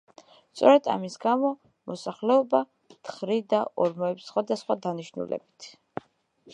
სწორედ ამის გამო მოსახლეობა თხრიდა ორმოებს სხვადასხვა დანიშნულებით.